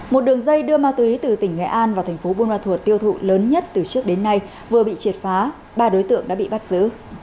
một đường dây đưa ma túy từ tỉnh nghệ an vào thành phố buôn ma thuột tiêu thụ lớn nhất từ trước đến nay vừa bị triệt phá ba đối tượng đã bị bắt giữ